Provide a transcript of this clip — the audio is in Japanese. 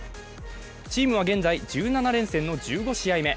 チームは現在１７連戦の１５試合目。